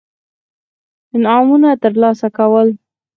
انعامونه ترلاسه کول.